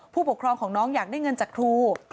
ผู้ปกครองของน้องอยากได้เงินจากครู